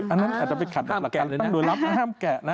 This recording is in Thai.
อันนั้นอาจจะไปขัดแบบละเอียดแกะตั้งโดยลับอ้าวห้ามแกะนะ